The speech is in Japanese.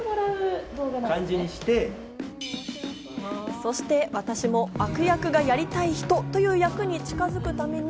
そして私も悪役がやりたい人という役に近づくために。